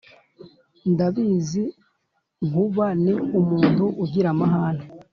ndabizi, Nkuba ni umuntu ugira amahane,